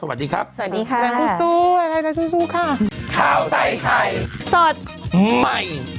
สวัสดีครับสวัสดีค่ะแหวนคุณสู้ชู้สู้ค่ะ